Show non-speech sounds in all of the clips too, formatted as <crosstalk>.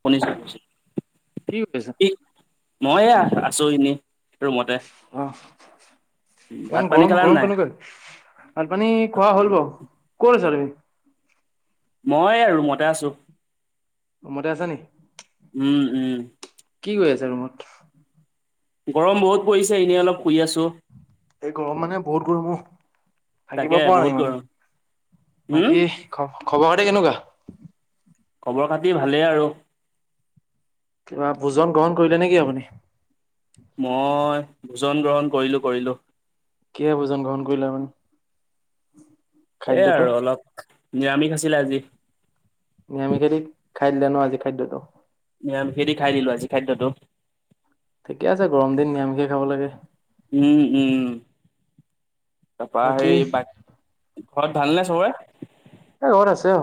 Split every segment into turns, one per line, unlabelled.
শুনিছো।
কি কৰিছা?
ই মই এয়া আছো এনেই ৰুমতে-
অ'ফ ইমান
ভাত পানী
গৰম
খালা
গৰম
নাই
কেনেককৈ ভান পানী খোৱা হ'ল বাৰু কত আছা তুমি।
মই আৰু মতে আছো।
ৰুমতে আছা নি
উম উম
কি গৈ আছে ৰুমত
গৰম বহুত পৰিছে এনেই অলপ শুই আছোঁ।
এই গৰম মানে বহুত গৰমো থাকিব
তাকে
পৰা
বহুত
নাই ইমান
গৰম উম
বাকী। খ খবৰ খাতি কেনেকুৱা?
খবৰ খাতি ভালেই। আৰু
কিবা ভোজন গ্ৰহণ কৰিলে নেকি আপুনি।
মই ভোজন গ্ৰহণ কৰিলোঁ কৰিলোঁ।
কিহে ভোজন গ্ৰহণ কৰিলে মানে?
এই আৰু অলপ নিৰামিষ আছিলে আজি।
নিৰামিষেদি খাই দিলে ন, আজি খাদ্যটো।
নিৰামিষেদি খাই দিলো আজি খাদ্যতটো।
ঠিকেই আছে, গৰম দিন নিৰামিষেই খাব লাগে।
উম উম। তাৰপা
বাকী
হেৰি বা
এ
ঘৰত ভাল নে চবৰে?
এই ৰ'দ আছে ঔ।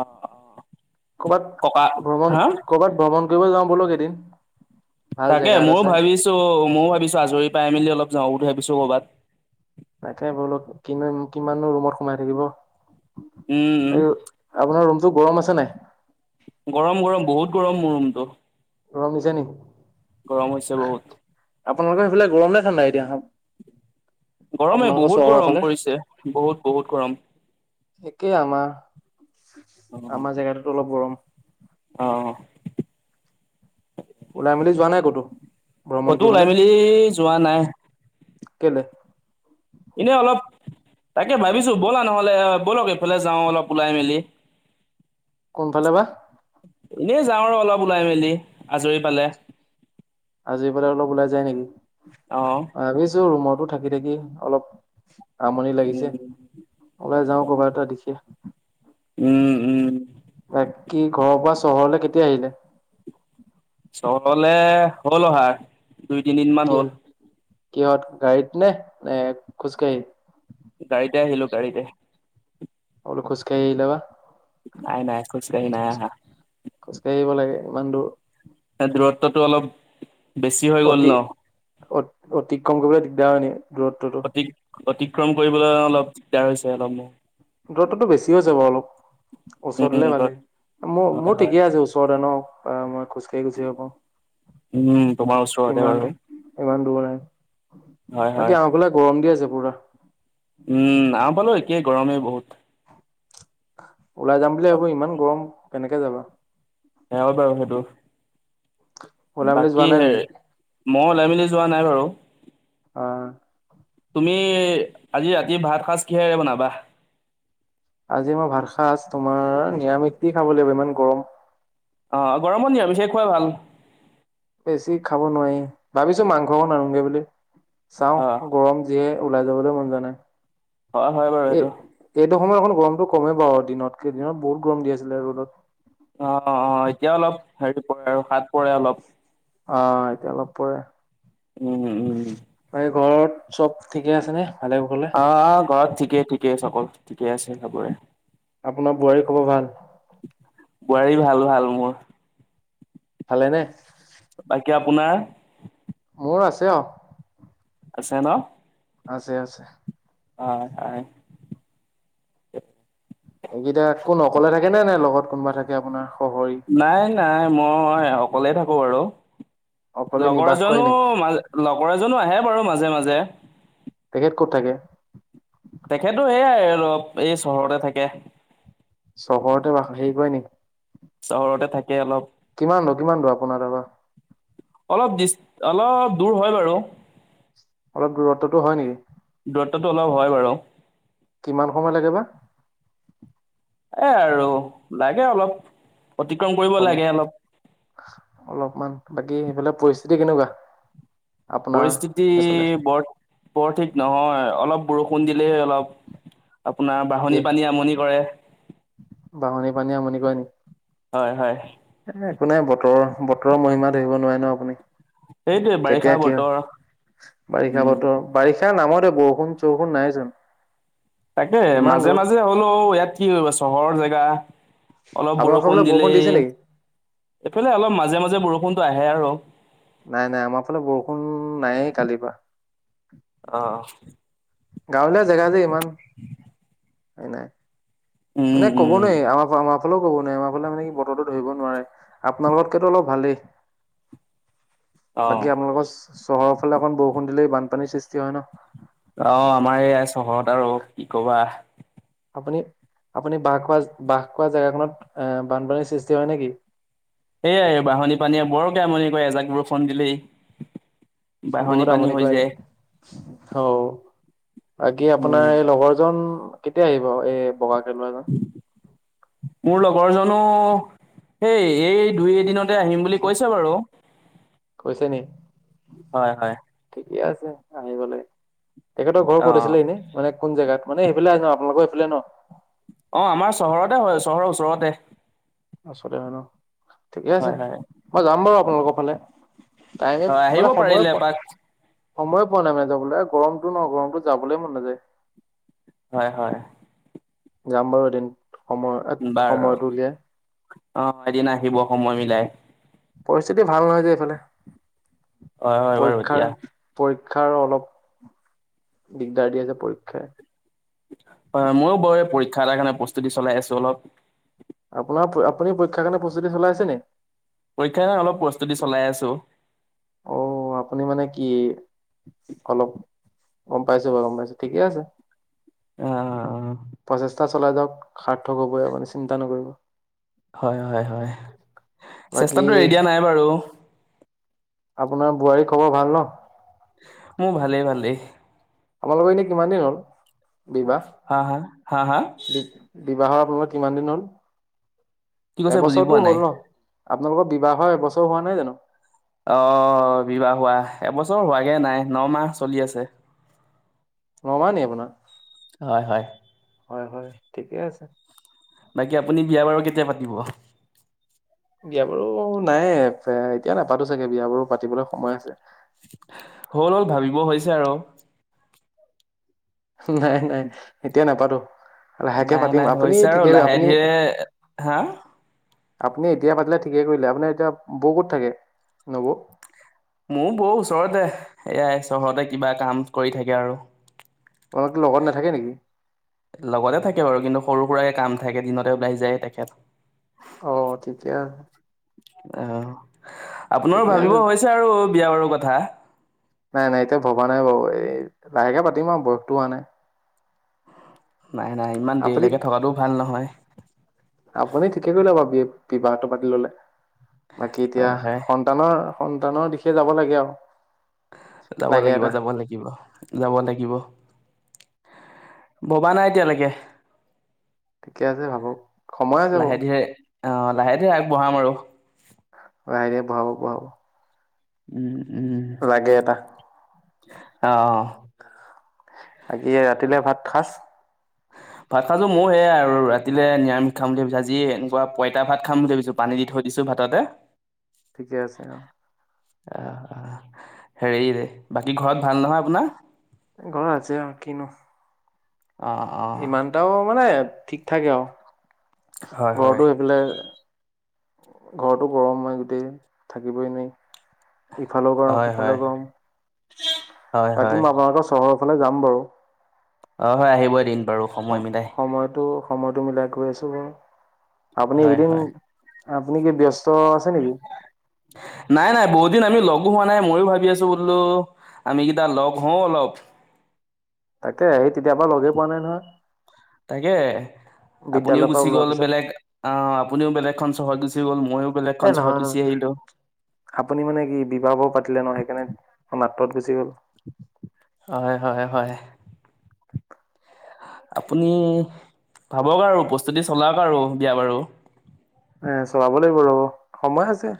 অ', অ'। ককা
কৰ'ৰবাত ভ্ৰমণ
হা
কৰ'বাত ভ্ৰমণ কৰিব যাওঁ বলক এদিন। ভাল
তাকে
জেগা এটা
ময়ো
চাই।
ভাবিছো ময়ো ভাবিছো আজৰি পাই মেলি অলপ যাওঁ বুলি ভাবিছো কৰ'বাত।
তাকে বোলো কি কিমানো ৰুমত সোমাই থাকিব।
উম। উম
আৰু আপোনাৰ ৰুমতটো গৰম আছে নে নাই?
গৰম গৰম, বহুত গৰম মোৰ ৰুমটো।
গৰম দিছে নেকি?
গৰম হৈছে বহুত।
আপোনালোকৰ সেইফালে গৰম নে ঠাণ্ডা এতিয়া?
গৰমেই,
আপোনালোকৰ
বহুত
চহৰৰ
গৰম
ফালে?
পৰিছে, বহুত বহুত গৰম।
একেই আমাৰ, আমাৰ জেগাতো অলপ গৰম।
অৱ।
উলাই মেলি যোৱা নাই ক'তো? ভ্ৰমণ
ক'তো ওলাই
কৰিবলৈ,
মেলি যোৱা নাই
কেলে।
এনেই অলপ তাকে ভাবিছোঁ, ব'লা নহ'লে ব'লক এইফালে যাওঁ অলপ ওলাই মেলি।
কোনফালে বা?
এনেই যাওঁ আৰু অলপ ওলাই মেলি, আজৰি পালে।
আজৰি পালে অলপ ওলাই যায় নেকি?
অৱ।
ভাবিছো ৰুমতো থাকি থাকি অলপ আমনি লাগিছে। ওলাই যাও কৰ'বাত এটা দিশে।
উম উম
<unintelligible> কি ঘৰৰ পৰা চহৰলৈ, কেতিয়া আহিলে?
চহৰলে হ'ল অহা, দুই তিনিদিন
কি
মান হ'ল।
কিহত গাড়ীত নে? নে খোজকাঢ়ি?
গাড়ীতে আহিলো গাড়ীতেই।
মই বোলো খোজ কাঢ়ি আহিল বা।
নাই নাই, খোজ কাঢ়ি নাই অহা।
খোজকাঢ়িব লাগে ইমান দূৰ।
এই দূৰত্বটো অলপ বেছি হৈ গ'ল
অতি
ন।
অ অতিক্ৰম কৰিবলৈ দিগদাৰ হয় নেকি দূৰত্বটো।
অতি অতিক্ৰম কৰিবলৈ অলপ দিগদাৰ হৈছে অলপ মোৰ।
দূৰত্বটো বেছিও হৈছে বাৰু অলপ, ওচৰত
উম
হ'লে
ব
ভালেই। মো
হয়
মোৰ
হয়
ঠিকেই আছে, ওচৰতে ন, মই খোজকাঢ়ি গুচি যাব পাৰোঁ।
উম, তোমাৰ ওচৰতেই বাৰু।
ইমান দূৰ নাই,
হয় হয়
বাকী আমাৰ ফালে গৰম দি আছে পুৰা।
উম, আমাৰ ফালেও একেই, গৰমেই বহুত।
ওলাই যাম বুলি ভাবো, ইমান গৰম কেনেকে যাবা?
সেও বাৰু সেইটো,
ওলাই মেলি যোৱা
বাকী
নাই
হে
তুমি
মই ওলাই মেলি যোৱা নাই বাৰু।
অৱ।
তুমি আজি ৰাতি ভাত সাঁজ কিহেৰে বনাবা?
আজি মই ভাতসাঁজ তোমাৰ নিৰামিষ দি খাব লাগিব ইমান গৰম।
অ গৰমত নিয়ামিষত নেকি খুৱাই ভাল।
বেছি খাব নোৱাৰি, ভাবিছো মাংস অকন আনোগৈ বুলি
অ
চাওঁ গৰম যিহে ওলাই যাবলৈ মনযোৱা নাই।
হয়, হয়, বাৰু
এ
এইটো।
এইটো সময় এখন গৰমতটো কমেই বাৰু, দিনতকে দিনত বহুত গৰম দি আছিলে, ৰ'দত
অ, অ, অ, এতিয়া অলপ হেৰি পৰে, আৰু হাত পৰে অলপ।
অ, এতিয়া অলপ পৰে।
উম, উম,
এই, ঘৰত চব ঠিকে আছে নে, ভালে-কোস
আ, ঘৰত ঠিকেই, ঠিকেই চবৰ, ঠিকেই আছে চবৰে।
আপোনাৰ বোৱাৰীৰ খবৰ ভাল?
বোৱাৰীৰ ভাল, ভাল মোৰ।
ভালেইনে?
বাকী আপোনাৰ?
মোৰ আছে, আৰু।
আছে ন,
আছে, আছে।
অ, হয়।
এইকেইটা কোন অকলে থাকে নে, নে লগত কোনোবা থাকে আপোনাৰ খহৰি।
নাই, নাই, মই অকলেই থাকোঁ বাৰু,
অকলে
লগৰ
নিবাস কৰে
এজনো
নেকি
মাজ লগৰ এজনো আহে বাৰু মাজে, মাজে
তেখেত ক'ত থাকে?
তেখেতো সেইয়াই অলপ এই চহৰতে থাকে।
চহৰতে বা, হেৰি কৰে নেকি?
চহৰতে থাকে, অলপ।
কিমান দ, কিমান দ, আপোনাৰ তাৰপৰা
অলপ দি, অলপ দূৰ হয় বাৰু।
অলপ দূৰত্বটো হয় নেকি?
দূৰত্বটো অলপ হয় বাৰু।
কিমান সময় লাগে বা।
এ, আৰু লাগে অলপ অতিক্ৰম কৰিব
সময়
লাগে, অলপ।
অলপমান, বাকী সেইফালে পৰিস্থিতি কেনেকুৱা? আপোনাৰ
পৰিস্থিতি
সেইফালে
বৰ, বৰ ঠিক নহয় অলপ বৰষুণ দিলেহে অলপ আপোনাৰ বঢাহনি পানী আমনি কৰে।
বাহনি পানীয়ে আমনি কৰে নেকি?
হয়, হয়।
এই, একো নাই বতৰৰ, বতৰৰ মহিমা ধৰিব নোৱাৰে ন, আপুনি
সেইটোৱে বাৰিষা
কেতিয়া কি
বতৰ
হয়, বাৰিষা
উম
বতৰ। বাৰিষাৰ নামতহে, বৰষুণ-চৰষুণ নাই চোন।
তাকে মাজে মাজে হ'লোও, ইয়াত কি চহৰৰ জেগা। অলপ
আপোনালোকৰ
বৰষুণ
ফালে
দিলেই,
দিছে নেকি?
এইফালে অলপ মাজে মাজে বৰষুণটো আহে আৰু।
নাই, নাই আমাৰ ফালে বৰষুণ নাইয়ে কালিৰ পৰা।
অ,
গাঁৱলীয়া জেগা যে ইমান। হয়, নাই মানে
উম
কব
উম
নোৱাৰি আমাৰ আমাৰ ফালেও ক'ব নোৱাৰ আমাৰালে, মানে কি বতৰো ধৰিব নোৱাৰে আপোনালোকত কেও অলপ ভালেই।
<inaudible>
বাকী আপোনালোকৰ চহৰৰ ফালে অকণ বৰষুণ দিলেই বানপানীৰ সৃষ্টি হয় ন?
অ আমাৰ এইয়া চহৰত আৰু কি কবা।
আপুনি আপুনি বাহ খোৱা, বাহ কৰা জেগা খনত অ বানপানীৰ সৃষ্টি হয় নেকি?
এয়াই বাঁহননি পানীয়ে বৰকে আমনি কৰে এজাক বৰষুণ দিলেই। বাৰণি পানী হৈ যে।
হ বাকী
উম
আপোনাৰ এই লগৰজন কেতিয়া আহিব? এই বগা কে ল'ৰা জন?
মোৰ লগৰ জনো হেই এই দুই এদিনত তে আহিম বুলি কৈছে বাৰু।
কৈছে নি
হয় হয়।
ঠিকে আছে আহিব লাগে, তেখেতৰ ঘৰ
অ
ক'ত আছিলে এনেই মানে কোন জাগাত? মানে সেইফে আপালোকৰ সেইফালে ন।
অ আমাৰ চহৰতে হয় চহৰৰ ওচৰতে।
ঠিকে আছে।
হয় হয়
মই যাম বাৰু আপোনালোকৰ ফালে।
হয়
<unintelligible>
আহিব
মানে সময়
পাৰিলে
পোৱা
এপাক
সময়ে পোৱা নাই মানে যাবলে, গৰমতো ন গৰমতো যাবলৈ মন নাযায়।
হয় হয়।
যাম বাৰু এদিন সময়
বাৰু
সময়তটো উলিয়াই।
অ এদিন আহিব সময় মিলাই।
পৰিস্থিতি ভাল নহয় যে এইফালে।
হয় হয় বাৰু
পৰীক্ষাৰ
এতিয়া
পৰীক্ষাৰ অলপ দিগদাৰ দি আছে পৰীক্ষাই।
হয় ময়ো বাৰু পৰীক্ষা এটা কাৰণে প্ৰস্তুতি চলাই আছো অলপ।
আপোনাৰ আপুনি পৰীক্ষাৰ কাৰণে প্ৰস্তুতি চলাইছে নে?
পৰীক্ষাৰ কাৰণে অলপ প্ৰস্তুতি চলাই আছো।
অ আপুনি মানে কি অলপ গম পাইছো বাৰু <unintelligible> ঠিকে আছে।
অ।
প্ৰচেষ্টা চলাই যাওক সাৰ্থক হ'বই মানে চিন্তা নকৰিব।
হয় হয় হয়
বাকী
চেষ্টাতটো এৰি দিয়া নাই বাৰু।
আপোনাৰ বোৱাৰীৰ খবৰ ভাল ন?
মোৰ ভালেই ভালেই।
আপোনালোকৰ এনে কিমান দিন হ'ল বিবাহ?
হা হা হা হা
বিবাহৰ আপোনালোকৰ কিমান দিন হ'ল?
কি কৈছে বুজি
এবছৰতো
পোৱা নাই
হ'ল ন? আপোনালোকৰ বিবাহৰ এবছৰ হোৱা নাই জানো?
অ বিবাহ হোৱা, এবছৰ হোৱাগে নাই নমাহ চলি আছে।
ন' মাহ নেকি আপোনাৰ?
হয় হয়
হয় হয় ঠিকে আছে।
বাকী আপুনি বিয়া বাৰু কেতিয়া পাতিব?
বিয় বাৰো নাইে এ এতিয়া নাপাতো চাগে বিয় বাৰু পাতিবলৈ সময় আছে।
হ'লো ভাবিব হৈছে আৰু।
নাই নাই এতিয়া নাপাতো। লাহেকে
নাই
পাতিম।
নাই
আপুনি
হৈছে আৰু
ঠিকে
লাহে
আপুনি
ধীৰে হা
আপুনি এতিয়া পাতিলে ঠিকে কৰিলে, আপোনাৰ এতিয়া বৌ ক'ত থাকে নবৌ?
মোৰ বৌ ওচৰতে, এয়াই চহৰতে কিবা কাম কৰি থাকে আৰু।
অঁ তোৰ লগত নেথাকে নেকি?
লগতে থাকে বাৰু, কিন্তু সৰু সুৰাই কাম থাকে দিনতে ওলাই যায় তেখেত।
অ ঠিকে আছে।
অ আপোনাৰো
ঠিকে
ভাবিব
আছে
হৈছে আৰু বিয়া বাৰু কথা।
নাই নাই এতিয়া ভবা নাই বাৰু, এই লাহেকে পাতিম আও বয়সতো হোৱা নাই।
নাই নাই ইমান
আপুনি
দেৰিলেকে থকাটো ভাল নহয়।
আপুনি ঠিকে কৰিলে বাও বিবাহটো পাতি ললে, বাকী এতিয়া
হয়
সন্ত
হয়
সন্তানৰ সন্তানৰ দিশে যাব লাগে আও।
যাব লাগিব যাব লাগিব। যাব লাগিব, ভবা নাই এতিয়ালেকে।
ঠিকে আছে ভাবক। সময় আছে
লাহে
বাৰু
ধীৰে অ', লাহে ধীৰে আগ বঢ়াম আৰু।
লাহে ধীৰে বঢ়াব বঢ়াব।
উম, উম,
লাগে
অ'।
বাকি ৰাতিলে ভাত সাজ?
ভাত সাঁজ মোৰ সেইয়াই আৰু ৰাতিলে নিৰামিষ খাম বুলি ভাবিছো, আজি এনেকুৱা পঁইতা ভাত খাম বুলি ভাবিছো। পানী দি থৈ দিছো ভাততে।
ঠিকে আছে অ'।
অ অ হেৰি বাকী ঘৰত ভাল নহয় আপোনাৰ?
ঘৰত আছে আও কিনো।
অঁ।
ইমানটাও মানে ঠিক থাকে আও,
হয়, হয়,
ঘৰতো সেইফালে ঘৰতো গৰম হয় গোটেই থাকিবই নোৱাৰি। ইফালেও গৰম
হয়,
সিফালেও
হয়,
গৰম,
হয়,
বাকী
হয়,
আপোনা হঁতৰ চহৰৰ ফালে যাম বাৰু।
অ হয় আহিব এদিন বাৰু। সময়
সম
মিলাই
সময়টো সময়টো মিলাই গৈ আছো বাৰু, আপুনি
হয়,
এইকেইদিন
হয়,
আপুনি কি ব্যস্ত আছে নেকি?
নাই নাই বহুত দিন আমি লগো হোৱা নাই, মইয়ো ভাবি আছো বোলো আমি কেইটা লগ হওঁ অলপ।
তাকে সেই তেতিয়া পৰা লগে পোৱা নাই নহয়।
তাকে আপুনিও
বিদ্যালয়ৰ পৰা
গুচি
ওলোৱাৰ
গ'ল
পিছত
বেলেগ আহ আপুনিও বেলেগখন চহৰত গুচি গ'ল, মইও বেলেগখন
এ
চহৰত
নহয়
গুচি
নহয়
আহিলো।
আপুনি মানে কি বিবাহ বাৰু পাতিলে ন সেইকাৰণে অকণ আঁতৰত গুচি গ'ল।
হয়, হয়, হয়। আপুনি ভাবক আৰু প্ৰস্তুতি চলাওক আৰু বিয়া বাৰু।
এ চলাব লাগিব ৰব, সময় আছে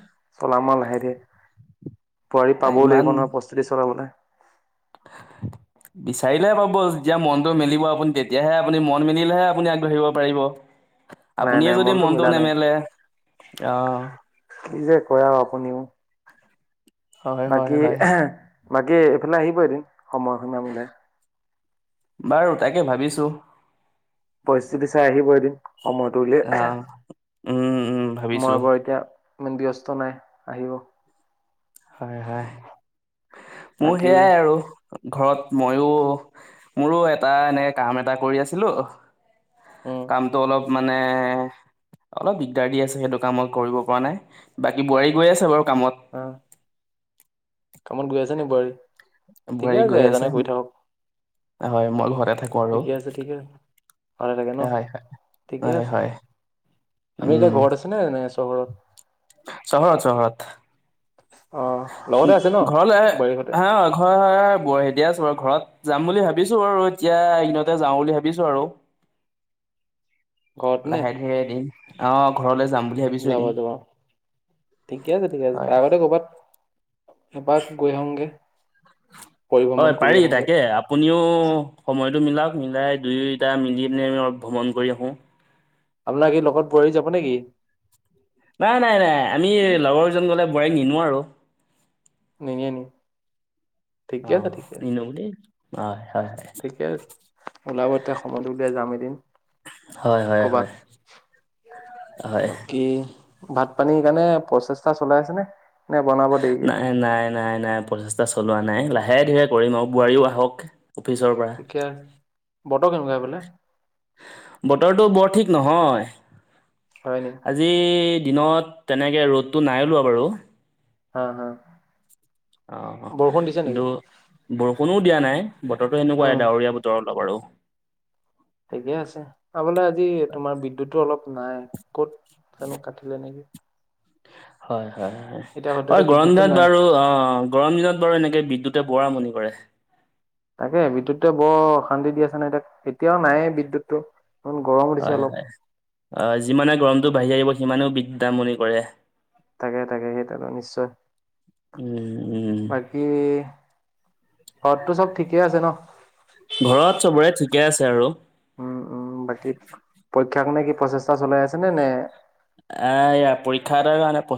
চলাম আও লাহে ধীৰে। বোৱাৰী পাবও লাগিব নহয় প্ৰস্তুতি চলাবলে।
<inaudible> বিচাৰিলেহে পাব যেতিয়া মনটো মেলিব আপুনি তেতিয়াহে আপুনি মন মিলিলেহে আপুনি আগবাঢ়িব পাৰিব।
নাই
আপুনিয়ে
নাই
যদি মনটো
মিলা নাই
নেমেলে আহ।
কি যে কয় আও আপুনিও।
হয়, হয়,
বাকী
হয়।
বাকী এইফালে আহিব এদিন সময়সীমা মিলাই।
বাৰু তাকে ভাবিছো।
পৰিস্থিতি চাই আহিব এদিন সময়ত।
অ উম, উম।
মই
ভাবিছোঁ
বাৰু এতিয়া ইমান ব্যস্ত নাই আহিব।
হয়, হয়। মোৰ
বাকী
সেয়াই আৰু ঘৰত ময়ো মোৰো এটা এনেকে কাম এটা কৰি আছিলো
উম
কামটো অলপ মানে অলপ দিগদাৰ দি আছে সেইটো কাম মই কৰিব পৰা নাই বাকী বোৱাৰী গৈ আছে বাৰু কামত।
অ কামত গৈ আছে নি বোৱাৰী ঠিকে
বোৱাৰী
আছে
গৈ
এজনে কৰি থাকক।
হয়, মই ঘৰতে থা কৰো
ঠিকে আছে ঠিকে আছে ভালে থাকে ন
হয় হয়
ঠিকে
হয়
আছে
হয়।
আমি এতিয়া
উম,
ঘৰত আছে নে নে চহৰত
চহৰত চহৰত
অ লগতে আছে ন
ঘৰলে
বোৱাৰীহঁতে
হা হয় হয় বোৱাৰীহেতিয়ে আছে বাৰু ঘৰত যাম বুলি ভাবিছো বাৰু এতিয়া এইকেইদিনতে যাও বুলি ভাবিছো আৰু
ঘৰত নে
লাহে ধীৰে এদিন অ ঘৰলৈ যাম বুলি ভাবিছো
যাব
এদিন
যাব ঠিকে আছে ঠিকে আছে
হয়
তাৰ আগতে কৰবাত এপাক গৈ আহোঙগে
হয় পাৰি তাকে আ পুনিও সময়তো মিলাওক মিলাই দুইটা মিলি পিনে আমি অলপ ভ্ৰমণ কৰি আহো
আপোনাৰ এই লগত বোৱাৰী যাব নেকি
নাই নাই নাই আমি লগৰ কেজন গলে বোৱাৰী নিনো আৰু
নিনিয়ে নি
অ
ঠিকে আছে ঠিকে
নিনো দেই হয় হয়
ঠিকে আছে ওলাব তেতিয়া সময় উলিয়াই যাম এদিন।
হয় হয়
কৰ'বাত
হয়। হয়
বাকী ভাত পানী কাৰণে প্ৰচেষ্টা চলাই আছে নে বনাব দেৰিকে?
নাই নাই নাই প্ৰচেষ্টা চলোৱা নাই লাহে ধীৰে কৰিম আৰু বোৱাৰীও আহক অফিচৰ পৰা।
এতিয়া বতৰ কেনেকোৱা বোলে
বতৰতো বৰ ঠিক নহয়
হয় নি
আজি দিনত তেনেকে ৰ'দটো নাই ওলোৱা বাৰু
হা হা
অ
বৰষুণ দিছে নেকি
কিন্তু বৰষুণো দিয়া নাই বতৰতো এনেকোৱাই
উম
ডাৱৰীয়া বতৰ অলপ আৰু
ঠিকে আছে আ বোলে আজি তোমাৰ বিদ্যুতো অলপ নাই ক'ত জানো কাটিলে নেকি
হয় হয় হয়
এতিয়া
হয়
সদ্যহতে
গৰম
বিদ্যুতটো
বন্ধত
নাই
বাৰু অ গৰম দিনত বাৰু এনেকে বিদ্যুতে পুৰা আমনি কৰে
তাকে বিদ্যুতে বৰ অশান্তি দি আছে নাই তাক এতিয়াও নাই বিদ্যুতটো ইমান গৰম উঠিছে
হয়
অলপ
হয় অ যিমানে গৰমতো বাঢ়ি আহিব সিমানেও বিদ্যুতে আমনি কৰে
তাকে তাকে সেইটোৱেতো নিশ্চয়
উম উম
হয় বাকী ঘৰতটো চব ঠিকে আছে ন
ঘৰত চবৰে ঠিকে আছে আৰু
উম উম বাকী পৰীক্ষাৰ কাৰণে কি প্ৰচেষ্টা চলাই আছে নে নে
এ এয়া পৰীক্ষা এটাৰ কাৰণে প্ৰ